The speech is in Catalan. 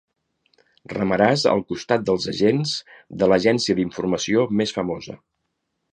Remaràs al costat dels agents de l'agència d'informació més famosa.